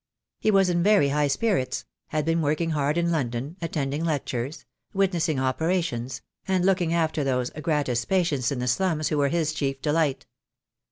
He was in very high spirits — had been working hard in London — attending lectures — witnessing operations — and looking after those gratis patients in the slums who were his chief delight.